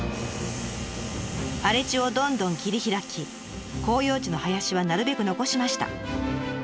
荒れ地をどんどん切り開き広葉樹の林はなるべく残しました。